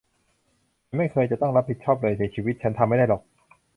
ฉันไม่เคยจะต้องรับผิดชอบเลยในชีวิต ฉันทำไม่ได้หรอก